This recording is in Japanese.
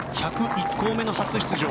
１０１校目の初出場。